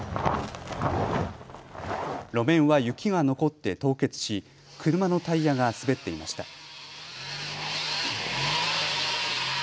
路面は雪が残って凍結し、車のタイヤが滑っていました。